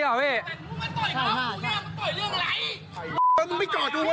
ต่อยเรื่องไว้